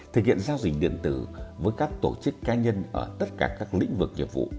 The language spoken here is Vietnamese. thực hiện giao dịch điện tử với các tổ chức cá nhân ở tất cả các lĩnh vực nhiệm vụ